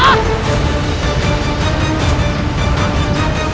aku mengaku salah